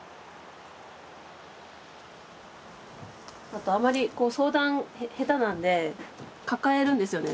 あとあんまり相談下手なんで抱えるんですよね